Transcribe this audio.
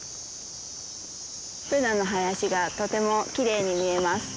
ブナの林がとてもきれいに見えます。